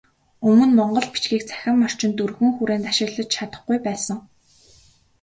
Өмнө монгол бичгийг цахим орчинд өргөн хүрээнд ашиглаж чадахгүй байсан.